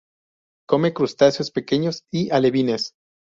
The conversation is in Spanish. Come crustáceos pequeños y alevines.